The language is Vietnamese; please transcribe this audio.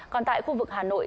còn tại khu vực hà nội